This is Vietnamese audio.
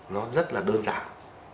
nó rất là đơn giản